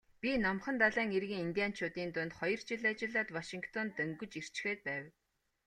Би Номхон далайн эргийн индианчуудын дунд хоёр жил ажиллаад Вашингтонд дөнгөж ирчхээд байв.